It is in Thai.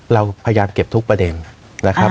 เราพยายามเก็บทุกประเด็นนะครับ